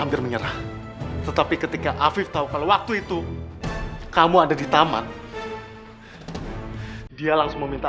hampir menyerah tetapi ketika afif tahu kalau waktu itu kamu ada di taman dia langsung meminta